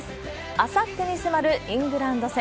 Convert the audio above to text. あさってに迫るイングランド戦。